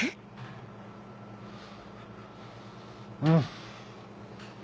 うん。